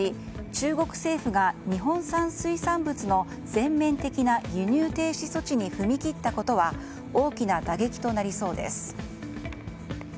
中国政府が日本産水産物の全面的な輸入停止措置に踏み切ったことは大きな打撃となりそうです。